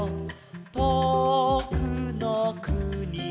「とおくのくにの」